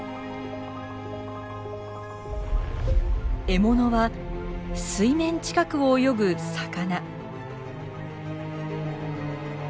獲物は水面近くを泳ぐ魚。